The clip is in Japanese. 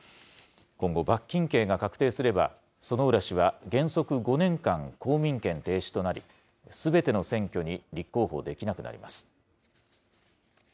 今後、罰金刑が確定すれば、薗浦氏は原則５年間、公民権停止となり、すべての選挙に立候補できなくなります。